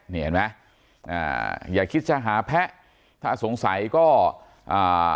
นี่เห็นไหมอ่าอย่าคิดจะหาแพะถ้าสงสัยก็อ่า